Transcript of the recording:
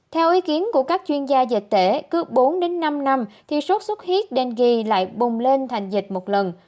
theo ý kiến của các chuyên gia dịch tễ cứ bốn đến năm năm thì sốt xuất huyết đen ghi lại bùng lên thành dịch một lần